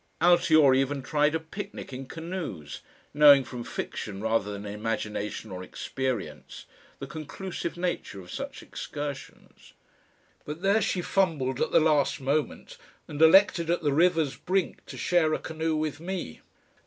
Altiora even tried a picnic in canoes, knowing from fiction rather than imagination or experience the conclusive nature of such excursions. But there she fumbled at the last moment, and elected at the river's brink to share a canoe with me.